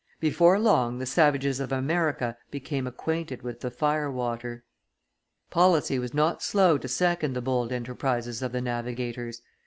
Before long the savages of America became acquainted with the fire water. Policy was not slow to second the bold enterprises of the navigators.